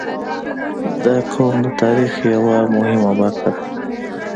• دا قوم د تاریخ یوه مهمه برخه ده.